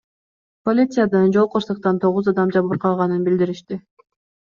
Полициядан жол кырсыктан тогуз адам жабыркаганын билдиришти.